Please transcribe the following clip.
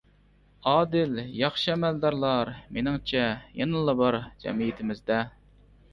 ئادىل، ياخشى ئەمەلدارلار مېنىڭچە يەنىلا بار جەمئىيىتىمىزدە.